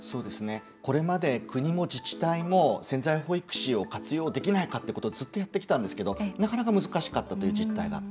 これまで国も自治体も潜在保育士を活用できないかとずっとやってきたんですけどなかなか難しかったという実態があった。